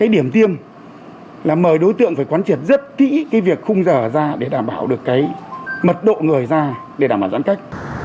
điểm tiêm là mời đối tượng phải quán triệt rất kỹ việc khung giờ ra để đảm bảo được mật độ người ra để đảm bảo giãn cách